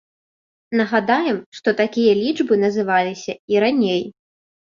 Нагадаем, што такія лічбы называліся і раней.